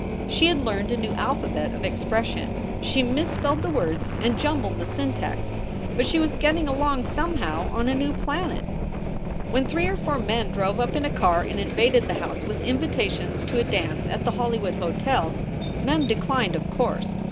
She had learned a new alphabet of expression. She mis spelled the words and jumbled the syntax, but she was getting along somehow on a new planet. When three or four men drove up in a car and invaded the house with invitations to a dance at the Hollywood Hotel, Mem declined, of course.